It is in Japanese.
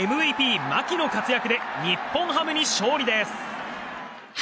ＭＶＰ牧の活躍で日本ハムに勝利です。